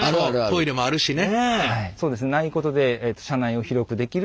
トイレもあるしね。